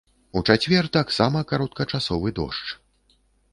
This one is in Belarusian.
У чацвер таксама кароткачасовы дождж.